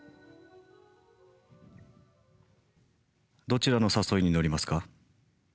どちらの誘いに乗りますか？